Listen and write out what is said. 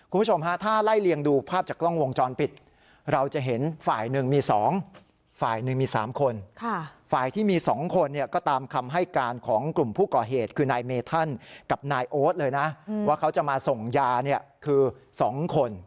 คุณผู้ชมฮะถ้าไล่เรียงดูภาพจากกล้องวงจรปิดเราจะเห็นฝ่ายหนึ่งมีสอง